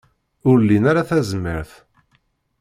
Ur lin ara tazmert.